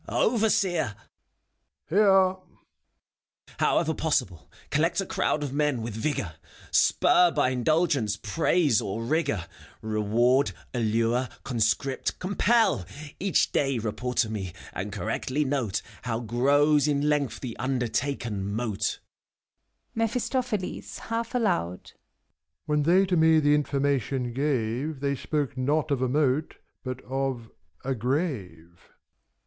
FAUST. 1 Overseer ! MEPHISTOPHELES. Here! FAUST. However possible, Collect a crowd of men with vigor, / ACT F. 241 Spur by indtdgence, praise, or rigor, — Reward, allnre, conscript, compel! Each day report me, and correctly note Bbw grows in length the undertaken moat. MEPHiSTOPHELES (half aloud) . When they to me the information gave, They spake not of a moat, but of — a grave.